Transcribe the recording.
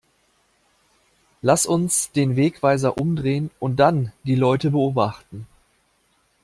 Lass uns den Wegweiser umdrehen und dann die Leute beobachten!